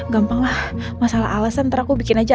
gampanglah masalah alesan ntar aku bikin aja